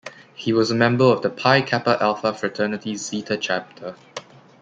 He was a member of the Pi Kappa Alpha fraternity Zeta chapter.